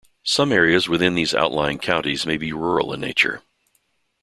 Some areas within these outlying counties may be rural in nature.